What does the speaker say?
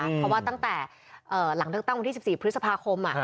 เพราะว่าตั้งแต่หลังเลือกตั้งวันที่๑๔พฤษภาคม